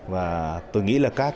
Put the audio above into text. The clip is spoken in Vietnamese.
và tôi nghĩ là các